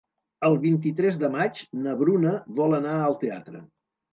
El vint-i-tres de maig na Bruna vol anar al teatre.